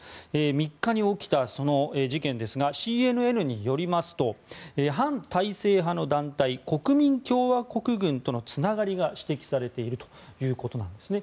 ３日に起きた事件ですがＣＮＮによりますと反体制派の団体国民共和国軍とのつながりが指摘されているということなんですね。